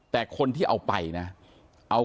พระพุทธรูปทองคำ